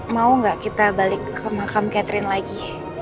mau gak kita balik ke makam catherine lagi